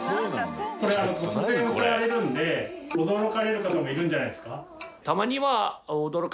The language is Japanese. これ突然歌われるので驚かれる方もいるんじゃないですか？